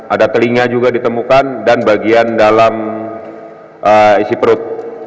ada telinga juga ditemukan dan bagian dalam isi perut